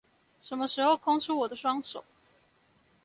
什麼時候空出我的雙手